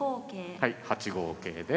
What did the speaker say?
はい８五桂で。